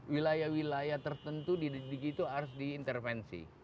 wilayah wilayah tertentu di didik itu harus di intervention